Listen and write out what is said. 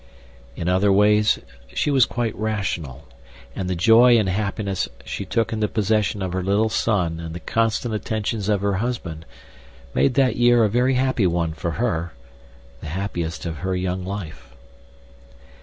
In other ways she was quite rational, and the joy and happiness she took in the possession of her little son and the constant attentions of her husband made that year a very happy one for her, the happiest of her young life.